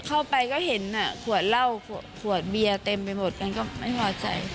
เข้าไปก็เห็นขวดเหล้าขวดเบียร์เต็มไปหมดกันก็ไม่พอใจ